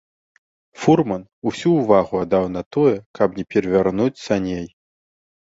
Фурман усю ўвагу аддаў на тое, каб не перавярнуць саней.